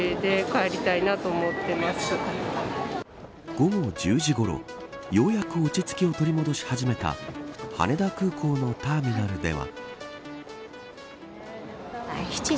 午後１０時ごろようやく落ち着きを取り戻し始めた羽田空港のターミナルでは。